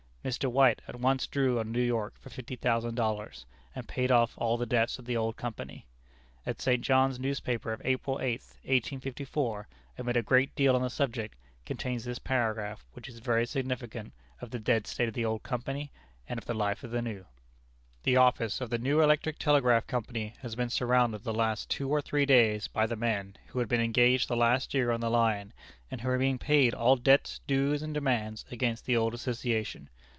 Mr. White at once drew on New York for fifty thousand dollars, and paid off all the debts of the old company. A St. John's newspaper of April 8th, 1854, amid a great deal on the subject, contains this paragraph, which is very significant of the dead state of the old company, and of the life of the new: "The office of the new Electric Telegraph Company has been surrounded the last two or three days by the men who had been engaged the last year on the line, and who are being paid all debts, dues, and demands against the old association.